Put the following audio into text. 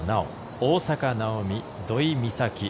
大坂なおみ、土居美咲。